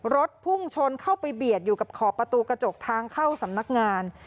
รถพุ่งชนเข้าไปเบียดอยู่กับขอบประตูกระจกทางเข้าสำนักงาน